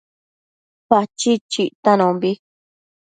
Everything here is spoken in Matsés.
Pachid chictanombi